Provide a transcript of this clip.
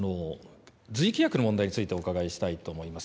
随意契約の問題についてお伺いしたいと思います。